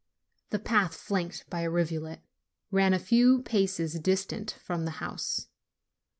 The path, flanked by a rivulet, ran a few paces distant from the house.